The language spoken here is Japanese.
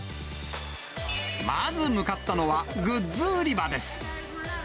まず向かったのはグッズ売り場です。